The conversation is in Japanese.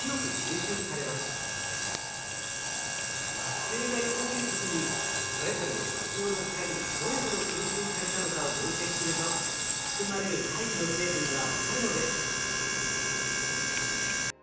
惑星が横切る時にそれぞれの波長の光がどれほど吸収されたのかを分析すると含まれる大気の成分が分かるのです。